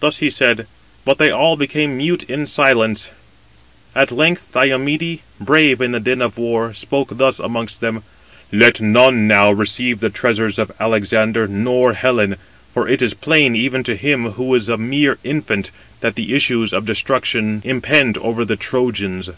Thus he said, but they all became mute in silence. At length Diomede, brave in the din of war, spoke thus amongst them: "Let none now receive the treasures of Alexander, nor Helen: for it is plain, even [to him] who is a mere infant, that the issues of destruction impend over the Trojans."